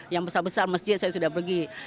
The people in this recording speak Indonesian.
yang besar besar masjid saya sudah pergi